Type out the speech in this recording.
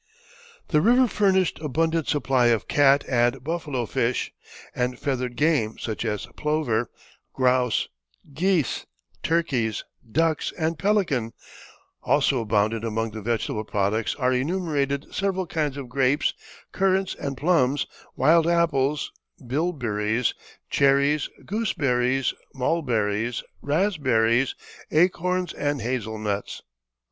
The river furnished abundant supply of cat and buffalo fish, and feathered game, such as plover, grouse, geese, turkeys, ducks, and pelican, also abounded; among the vegetable products are enumerated several kinds of grapes, currants and plums, wild apples, billberries, cherries, gooseberries, mulberries, raspberries, acorns, and hazel nuts.